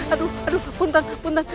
aduh aduh buntan